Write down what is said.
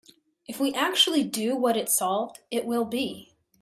If we actually do want it solved, it will be.